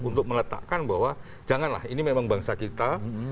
untuk meletakkan bahwa janganlah ini memang bangsa kita